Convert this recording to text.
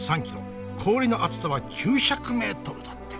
氷の厚さは９００ｍ」だって！？